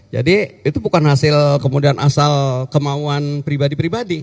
jadi itu bukan hasil kemudian asal kemauan pribadi pribadi